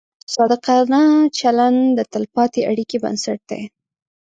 صادقانه چلند د تلپاتې اړیکې بنسټ دی.